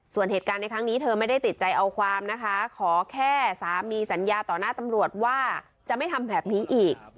ส่วนเหตุการณ์ในครั้งนี้เธอไม่ได้ติดใจเอาความนะคะขอแค่สามีสัญญาต่อหน้าตำรวจว่าจะไม่ทำแบบนี้อีก